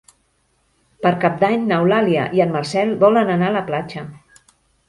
Per Cap d'Any n'Eulàlia i en Marcel volen anar a la platja.